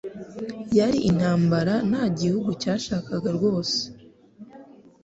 Yari intambara nta gihugu cyashakaga rwose.